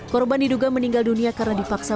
korban diduga meninggal dunia karena dipaksa